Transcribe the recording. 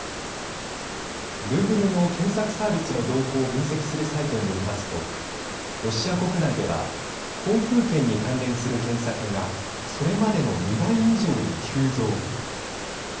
グーグルの検索サービスの動向を分析するサイトによりますとロシア国内では航空券に関連する検索がそれまでの２倍以上に急増。